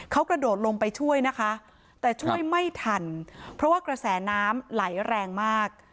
เขากระโดดลงไปช่วยนะคะแต่ช่วยไม่ทันเพราะว่ากระแสน้ำไหลแรงมาก